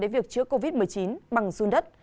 đến việc chữa covid một mươi chín bằng xuân đất